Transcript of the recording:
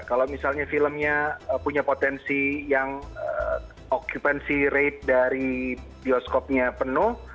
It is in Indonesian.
kalau misalnya filmnya punya potensi yang okupansi rate dari bioskopnya penuh